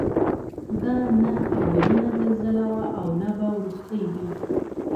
دا نه اولینه زلزله وه او نه به وروستۍ وي.